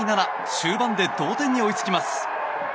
終盤で同点に追いつきます。